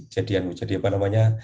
jadi jadi apa namanya